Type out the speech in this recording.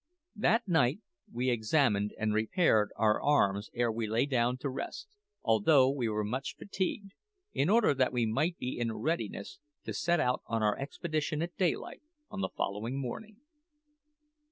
That night we examined and repaired our arms ere we lay down to rest, although we were much fatigued, in order that we might be in readiness to set out on our expedition at daylight on the following morning.